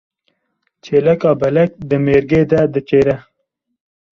Çêleka belek di mêrgê de diçêre.